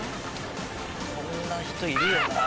こんな人いるよな。